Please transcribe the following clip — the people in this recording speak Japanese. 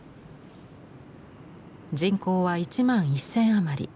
人口は１万１，０００余り。